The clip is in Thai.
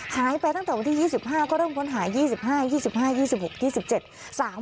หายไปตั้งแต่วันที่๒๕ก็เริ่มค้นหา๒๕๒๕๒๖๒๗